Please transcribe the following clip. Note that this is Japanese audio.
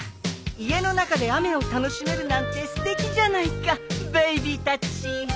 家の中で雨を楽しめるなんてすてきじゃないかベイビーたち。